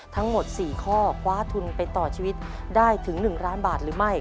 ทั้งหมด๔ข้อคว้าทุนไปต่อชีวิตได้ถึง๑ล้านบาทหรือไม่